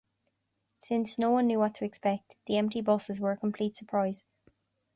Since no one knew what to expect, the empty buses were a complete surprise.